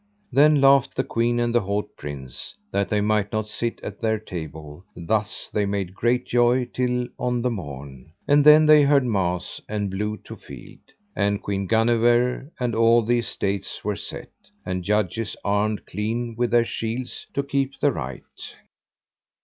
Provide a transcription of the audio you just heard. Then laughed the queen and the haut prince, that they might not sit at their table; thus they made great joy till on the morn, and then they heard mass, and blew to field. And Queen Guenever and all the estates were set, and judges armed clean with their shields to keep the right.